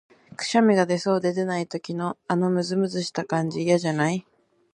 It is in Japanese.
くしゃみが出そうで出ない時の、あのむずむずした感じ、嫌じゃない？